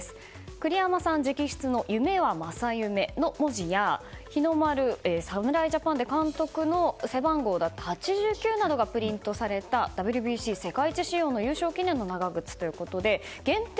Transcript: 栗山さん直筆の「夢は正夢」の文字や日の丸、侍ジャパンで監督の背番号だった８９などがプリントされたＷＢＣ世界一仕様の優勝記念の長靴で限定